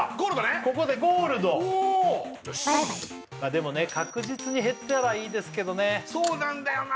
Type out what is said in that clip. ここでゴールドほおでもね確実に減ったらいいですけどねそうなんだよな